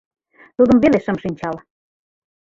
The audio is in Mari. Тудым веле шым шинчал.